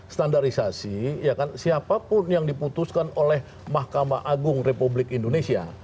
standarisasi ya kan siapapun yang diputuskan oleh mahkamah agung republik indonesia